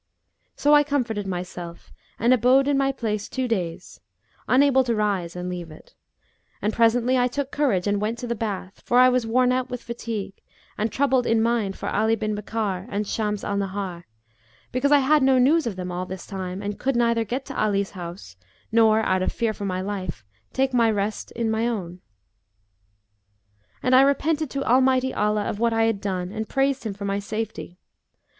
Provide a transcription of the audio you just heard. So I comforted myself and abode in my place two days, unable to rise and leave it; and presently I took courage and went to the bath, for I was worn out with fatigue and troubled in mind for Ali bin Bakkar and Shams al Nahar, because I had no news of them all this time and could neither get to Ali's house nor, out of fear for my life, take my rest in mine own. And I repented to Almighty Allah of what I had done and praised Him for my safety.